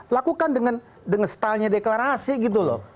lakukan dengan stylenya deklarasi gitu loh